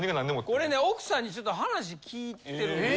これね奥さんにちょっと話聞いてるんですよ。